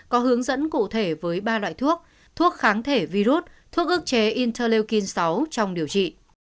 có hướng dẫn cụ thể với ba loại thuốc thuốc kháng thể virus thuốc ước chế intalyukin sáu trong điều trị